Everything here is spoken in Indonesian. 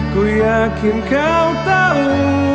ku yakin kau tahu